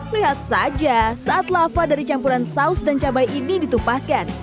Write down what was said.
lihat saja saat lava dari campuran saus dan cabai ini ditumpahkan